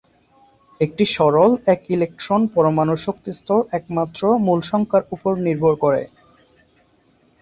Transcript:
একটি সরল এক-ইলেকট্রন পরমাণুর শক্তি স্তর একমাত্র মূল সংখ্যার উপর নির্ভর করে।